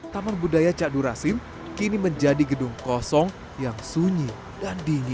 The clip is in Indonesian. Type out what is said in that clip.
taman budaya cak durasim kini menjadi gedung kosong yang sunyi dan dingin